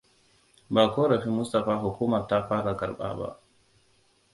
Ba ƙorafin Mustapha hukumar ta fara karɓa ba.